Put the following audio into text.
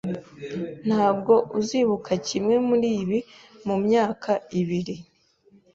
Ntabwo uzibuka kimwe muribi mumyaka ibiri